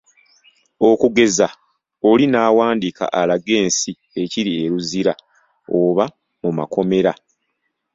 Okugeza, oli n'awandiika alage ensi ekiri e Luzira oba mu makomera.